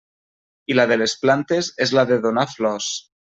I la de les plantes és la de donar flors.